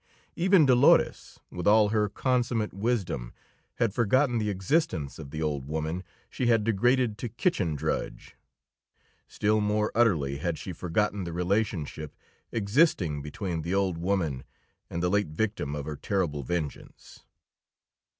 Even Dolores, with all her consummate wisdom, had forgotten the existence of the old woman she had degraded to kitchen drudge; still more utterly had she forgotten the relationship existing between the old woman and the late victim of her terrible vengeance.